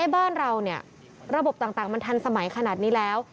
บ้านเราระบบต่างมันทันสมัยขนาดนี้แล้ว